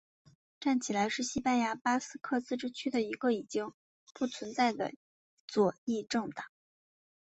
站起来是西班牙巴斯克自治区的一个已不存在的左翼政党。